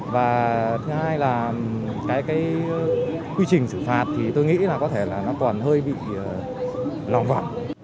và thứ hai là cái quy trình xử phạt thì tôi nghĩ là có thể là nó còn hơi bị lòng vọng